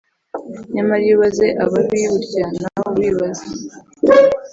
nyamara iyo ubaze ababi burya nawe uba wibaze